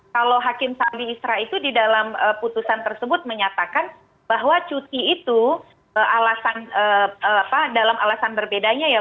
kalau hakim sabi isra itu di dalam putusan tersebut menyatakan bahwa cuti itu dalam alasan berbedanya ya